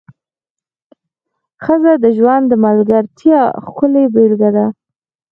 ښځه د ژوند د ملګرتیا ښکلې بېلګه ده.